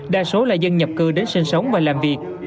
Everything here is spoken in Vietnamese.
đa số là dân nhập cư đến sinh sống và làm việc